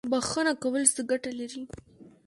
بخښنه کول څه ګټه لري؟